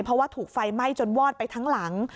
เพราะว่าถูกไฟไหม้จนวอดไปทั้งหลัง